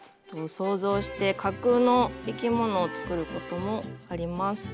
想像して架空の生き物を作ることもあります。